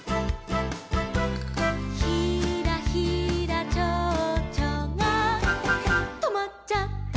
「ひらひらちょうちょがとまっちゃった」